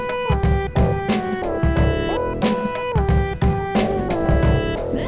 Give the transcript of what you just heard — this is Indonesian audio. sekarang third person